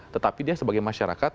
tetapi dia sebagai masyarakat